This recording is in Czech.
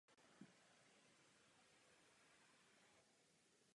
Detaily jsou dobře vidět.